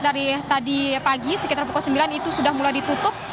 dari tadi pagi sekitar pukul sembilan itu sudah mulai ditutup